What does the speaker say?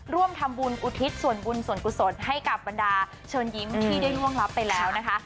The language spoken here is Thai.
ร่วมทำบุญอุทิศส่วนบุญส่วนกุศลให้กับบรรดาเชิญยิ้มที่ได้ล่วงรับไปแล้วนะคะ